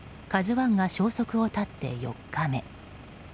「ＫＡＺＵ１」が消息を絶って４日目。